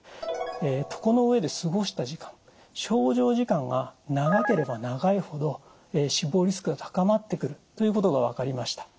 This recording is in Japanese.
床の上で過ごした時間床上時間が長ければ長いほど死亡リスクが高まってくるということが分かりました。